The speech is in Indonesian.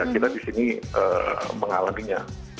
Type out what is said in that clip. kita di sini mengalaminya